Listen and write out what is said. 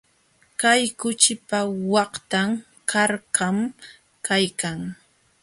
Kay kuchipa waqtan karkam kaykan.